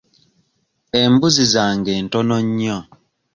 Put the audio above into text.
Embuzi zange ntono nnyo.